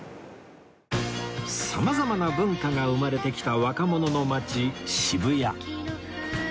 様々な文化が生まれてきた若者の街渋谷